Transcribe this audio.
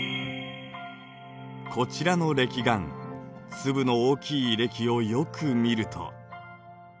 こちらのれき岩粒の大きいれきをよく見ると。